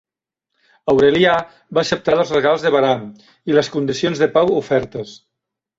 Aurelià va acceptar els regals de Bahram I i les condicions de pau ofertes.